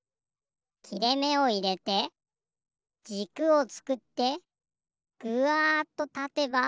きれめをいれてじくをつくってぐわっとたてば。